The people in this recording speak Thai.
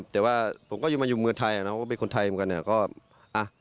แต่ว่าผมก็มาอยู่เมืองไทยเป็นคนไทยเหมือนกัน